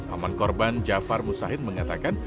aman korban jafar musahid mengatakan